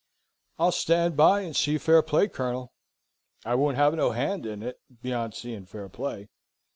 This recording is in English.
"I'll stand by and see fair play, Colonel. I won't have no hand in it, beyond seeing fair play.